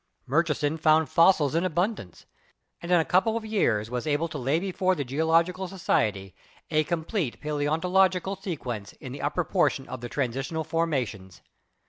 Murchison found fossils in abundance, and in a couple of years was able to lay before the Geological Society a complete paleontological sequence in the upper portion of the Transitional formations.